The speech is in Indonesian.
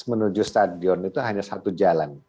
menuju stadion itu hanya satu jalan